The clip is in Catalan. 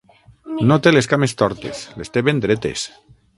No té les cames tortes: les té ben dretes!